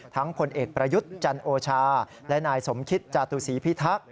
ผลเอกประยุทธ์จันโอชาและนายสมคิตจาตุศีพิทักษ์